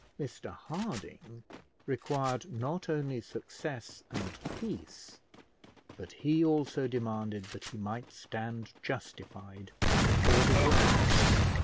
Mr Harding required not only success and peace, but he also demanded that he might stand justified before the world.